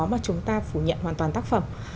mà chúng ta phủ nhận hoàn toàn tác phẩm